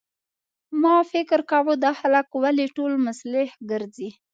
ما فکر کاوه دا خلک ولې ټول مسلح ګرځي.